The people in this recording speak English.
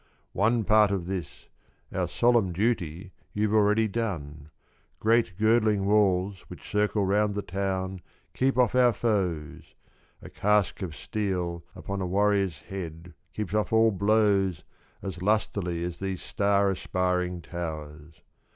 One part Of this, our solemn duty You've already done. Great girdling walls Which circle round the town Keep off our foes — a casque of steel Upon a warrior's head keeps off all blows As lustily as these star aspiring towers.